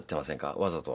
わざと。